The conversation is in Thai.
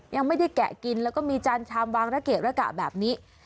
ยังไม่ได้แกะกินและก็มีจานชามวางระเกตระกะแบบนี้